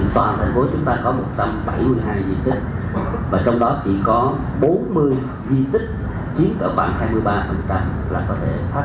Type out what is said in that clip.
tòa thành phố chúng ta có một trăm bảy mươi hai di tích và trong đó chỉ có bốn mươi di tích chiếm